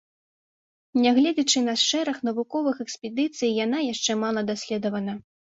Нягледзячы на шэраг навуковых экспедыцый, яна яшчэ мала даследавана.